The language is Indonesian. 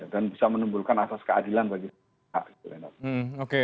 dan bisa menimbulkan asas keadilan bagi